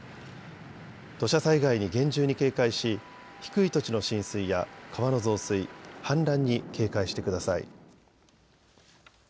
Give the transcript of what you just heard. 土砂災害に厳重に警戒し低い土地の浸水や川の増水、氾濫に警戒してください。